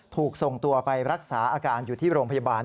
ถูกส่งตัวไปรักษาอาการอยู่ที่โรงพยาบาล